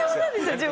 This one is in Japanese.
自分。